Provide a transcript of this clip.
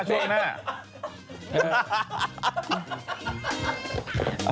อ้าวช่วงหน้า